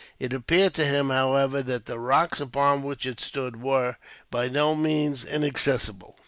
It appeared to him, however, that the rocks upon which it stood were, by no means, inaccessible.